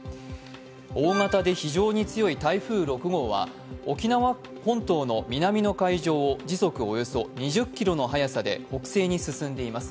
大型で非常に強い台風６号は沖縄本島の南の海上を時速およそ２０キロの速さで北西に進んでいます。